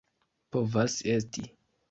Povas esti.